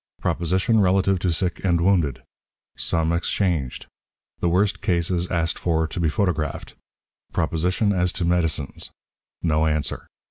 Proposition relative to Sick and Wounded. Some exchanged. The Worst Cases asked for to be photographed. Proposition as to Medicines. No Answer.